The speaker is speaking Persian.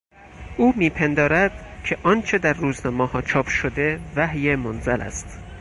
او میپندارد که آنچه در روزنامهها چاپ شده وحی منزل است.